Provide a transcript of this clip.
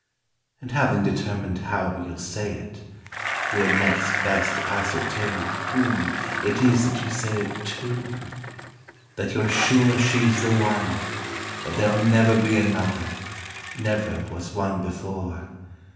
And having determined how you'll say it, you had next best ascertain whom it is that you say it to. as Alfred Kreymborg That youVe sure she's the one, that there'll never be another, never was one before.